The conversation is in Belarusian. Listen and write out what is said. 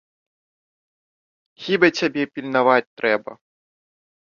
Хіба цябе пільнаваць трэба.